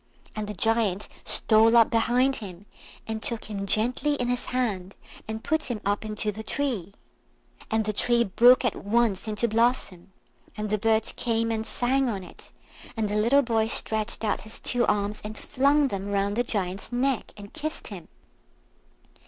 And the Giant stole up behind him and took him gently in his hand, and put him up into the tree. And the tree broke at once into blossom, and the birds came and sang on it, and the little boy stretched out his two arms and flung them round the Giant's neck, and kissed him.